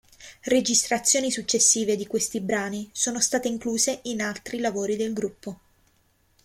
Registrazioni successive di questi brani sono state incluse in altri lavori del gruppo.